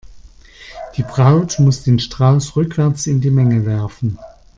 Die Braut muss den Strauß rückwärts in die Menge werfen.